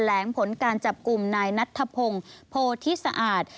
ลงผลการจับกลุ่มนายนัทธพงศ์โพธิสะอาด